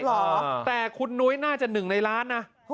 เหรอแต่คุณนุ้ยน่าจะหนึ่งในล้านนะ